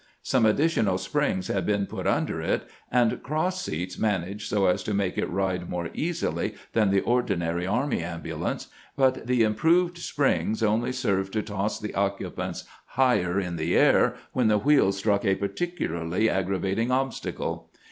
Some additional springs had been put under it, and cross seats arranged so as to make it ride more easily than the ordinary army ambulance ; but the im 414 CAMPAIGNING WITH GRANT proved springs only served to toss the occupants higher in the air when the wheels struck a particularly aggra vating obstacle.